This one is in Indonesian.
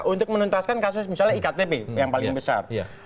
untuk menuntaskan kasus misalnya iktp yang paling besar